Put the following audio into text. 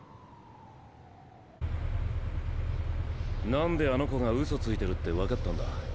なんであの子が嘘ついてるって分かったんだ？